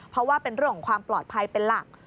เพราะว่าเป็นเรื่องของความปลอดภัยเป็นหลัก